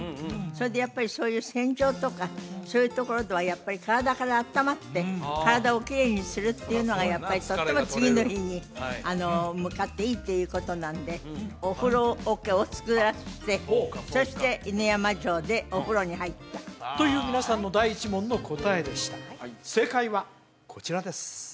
それでそういう戦場とかそういうところではやっぱり体からあったまって体をきれいにするっていうのがとっても次の日に向かっていいっていうことなんでお風呂桶を作らせてそして犬山城でお風呂に入ったという皆さんの第１問の答えでした正解はこちらです